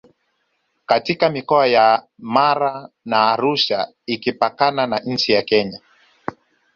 katika mikoa ya Mara na Arusha ikipakana na nchi ya Kenya